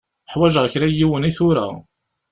Uḥwaǧeɣ kra n yiwen i tura.